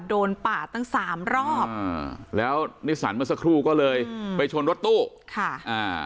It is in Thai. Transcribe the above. ป่าตั้งสามรอบอ่าแล้วนิสันเมื่อสักครู่ก็เลยอืมไปชนรถตู้ค่ะอ่า